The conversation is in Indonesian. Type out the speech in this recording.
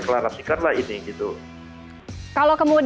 saya bakal jadi campaing pinjaman yang primer